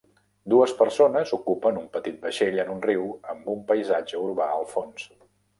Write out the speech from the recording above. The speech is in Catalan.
Dues persones ocupen un petit vaixell en un riu amb un paisatge urbà al fons.